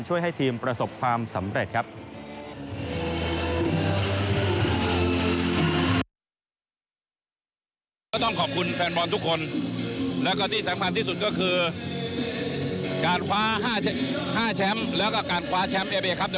ให้ทีมประสบความสำเร็จครับ